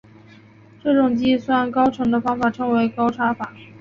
这种计算高程的方法称为高差法。